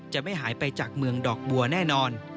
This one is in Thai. จะไม่หายไปจากเมืองดอกบัวแน่นอน